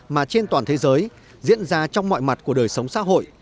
mà trên toàn thế giới diễn ra trong mọi mặt của đời sống xã hội